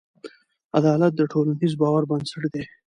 عدالت د ټولنیز باور بنسټ دی.